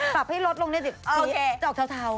ปรับให้ลดลงได้สิจอกเทา